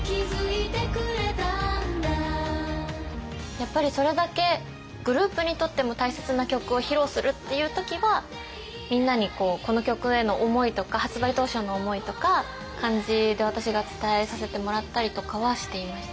やっぱりそれだけグループにとっても大切な曲を披露するっていう時はみんなにこの曲への思いとか発売当初の思いとか感じで私が伝えさせてもらったりとかはしていました。